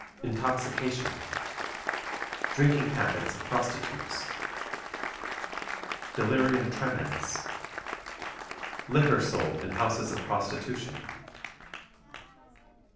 Intoxication. Drinking Habits of Prostitutes. Delirium Tremens. Liquor Sold in Houses of Prostitution.